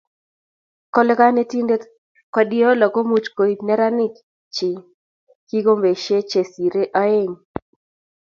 Kole konetinte Guardiola komoch koib neranik chii kikombeshe che sire oeng.